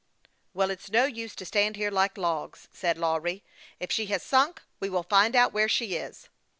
" Well, it's no use to stand here like logs," said Lawry. "If she has sunk, we will find out where she is."